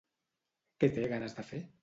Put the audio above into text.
Què té ganes de fer?